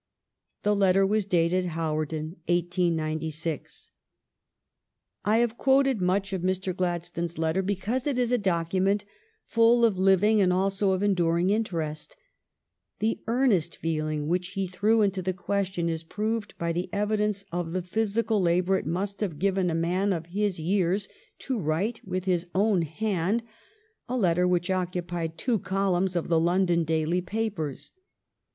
The letter was dated Hawarden, 1896. I have quoted much of Mr. Gladstone's letter because it is a document full of living and also ■of enduring intL rest. THl L arnest feeling which m^i^^^^^^g^^^^^^gmm ^^ threw into ■"^ ^■^^c" I {},£ question is proved by the evidence of the physical labor it must have given a man of his years to write with his own hand a letter which occupied two columns of the London daily papers.